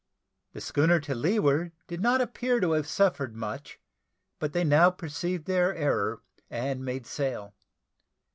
The schooner to leeward did not appear to have suffered much; but they now perceived their error, and made sail.